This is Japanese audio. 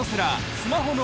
『スマホ脳』